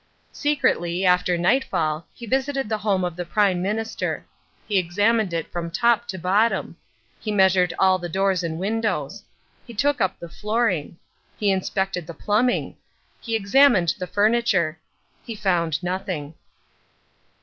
Secretly, after nightfall, he visited the home of the Prime Minister. He examined it from top to bottom. He measured all the doors and windows. He took up the flooring. He inspected the plumbing. He examined the furniture. He found nothing.